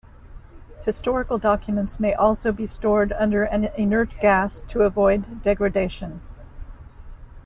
Historical documents may also be stored under an inert gas to avoid degradation.